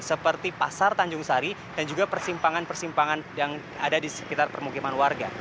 seperti pasar tanjung sari dan juga persimpangan persimpangan yang ada di sekitar permukiman warga